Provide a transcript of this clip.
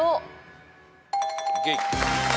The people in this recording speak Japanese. ＯＫ。